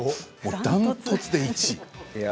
断トツで１位。